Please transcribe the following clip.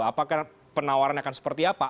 apakah penawaran akan seperti apa